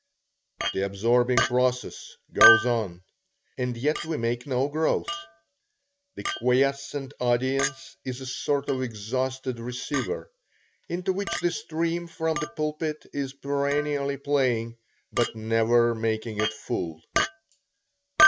The absorbing process goes on, and yet we make no growth. The quiescent audience is a sort of exhausted receiver, into which the stream from the pulpit is perennially playing, but never making it full.